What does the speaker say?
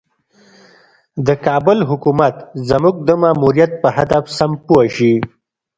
د کابل حکومت زموږ د ماموریت په هدف سم پوه شي.